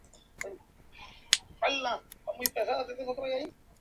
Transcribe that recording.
Se encuentra Israel y en el sur de África.